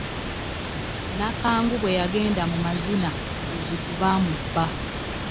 Nakangu bwe yagenda mu mazina, abazigu baamubba.